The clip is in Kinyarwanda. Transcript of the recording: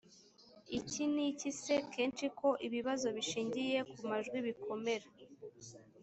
iki n iki si kenshi ko ibibazo bishingiye ku mwajwi bikomera